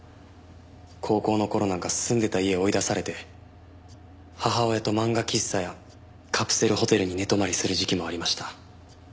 高校の頃なんか住んでた家追い出されて母親と漫画喫茶やカプセルホテルに寝泊まりする時期もありました。